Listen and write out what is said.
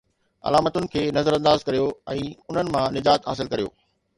علامتن کي نظر انداز ڪريو ۽ انھن مان نجات حاصل ڪريو